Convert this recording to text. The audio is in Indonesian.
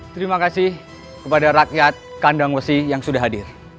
terima kasih kepada rakyat kandang osi yang sudah hadir